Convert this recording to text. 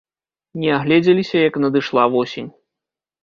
Не агледзеліся, як надышла восень.